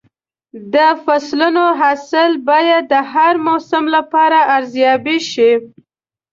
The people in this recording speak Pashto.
د فصلونو حاصل باید د هر موسم لپاره ارزیابي شي.